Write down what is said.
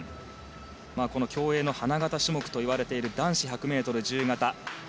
競泳の花形種目と呼ばれている男子１００ｍ自由形。